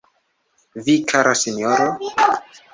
Vi, kara sinjoro?